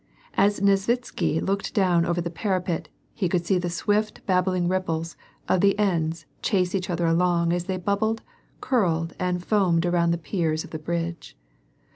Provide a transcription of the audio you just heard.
As Nesvitsky looked down over the parapet, he could see the swift babbling ripples of the Enns chase each other along as they bubbled, curled, and foamed around the piers of the bridge.